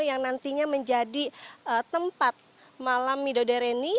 yang nantinya menjadi tempat malam mido dareni